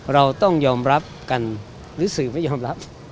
เราต้องยอมรับกันหรือสื่อไม่ยอมรับ